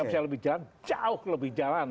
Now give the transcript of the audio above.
bisa lebih jalan jauh lebih jalan